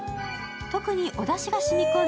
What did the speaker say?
特におだしがしみ込んだ